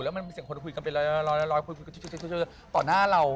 แล้วมันมีเสียงคนคุยกันไปลอยต่อหน้าเรา